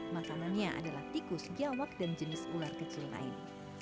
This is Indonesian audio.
makanannya adalah tikus giawak dan jenis ular kecil lain